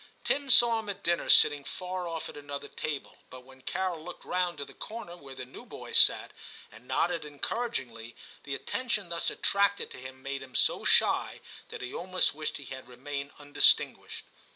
Tim saw him at dinner sitting far off at another table, but when Carol looked round to the corner where the new boys sat, and nodded encouragingly, the attention thus attracted to him made him so shy, that he almost wished he had remained undistin guished.